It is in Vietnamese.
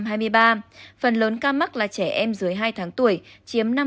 phần lớn ca mắc là trẻ em dưới hai tháng tuổi chiếm năm mươi hai hai